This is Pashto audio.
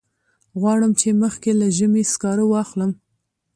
غواړم چې مخکې له ژمي سکاره واخلم.